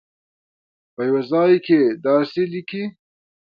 په یوه ځای کې داسې لیکي.